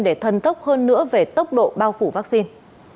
để thần tốc hơn nữa về tốc độ bao phủ vaccine